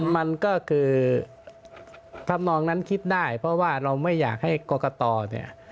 มันก็คือทำนองนั้นคิดได้เพราะว่าเราไม่อยากให้กรกตเนี่ย